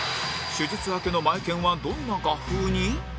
手術明けのマエケンはどんな画風に？